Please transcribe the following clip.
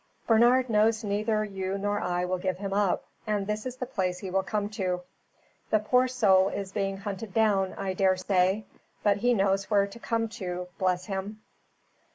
"Bernard knows neither you nor I will give him up, and this is the place he will come to. The poor soul is being hunted down, I daresay. But he knows where to come to, bless him!